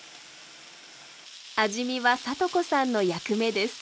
味見は聡子さんの役目です。